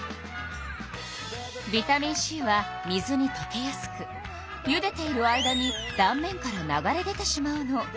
ビタミンＣは水にとけやすくゆでている間にだん面から流れ出てしまうの。